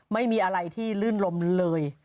ไม่มีอะไรที่ลื่นลมเลย